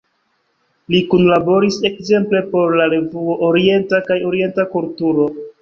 Li kunlaboris ekzemple por "La Revuo Orienta" kaj "Orienta Kulturo".